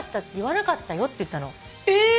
えっ！